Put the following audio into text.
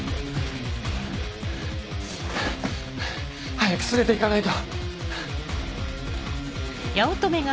早く連れて行かないと。